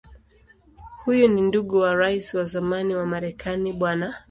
Huyu ni ndugu wa Rais wa zamani wa Marekani Bw.